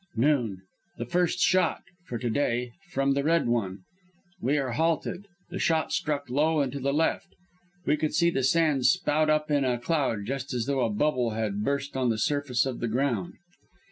"Noon. The first shot for to day from the Red One. We are halted. The shot struck low and to the left. We could see the sand spout up in a cloud just as though a bubble had burst on the surface of the ground.